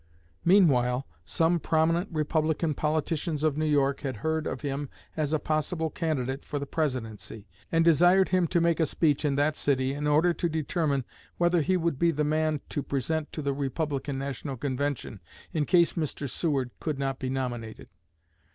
Meanwhile, some prominent Republican politicians of New York had heard of him as a possible candidate for the Presidency, and desired him to make a speech in that city in order to determine whether he would be the man to present to the Republican National convention in case Mr. Seward could not be nominated.